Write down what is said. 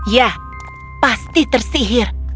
ya pasti tersihir